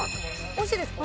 おいしいですか？